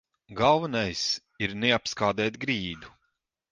Galvenais ir neapskādēt grīdu.